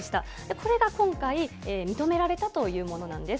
これが今回、認められたというものなんです。